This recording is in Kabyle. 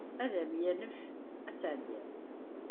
Ad am-yanef ad tɛeddiḍ.